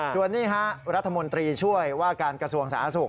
ส่วนนี้ฮะรัฐมนตรีช่วยว่าการกระทรวงสาธารณสุข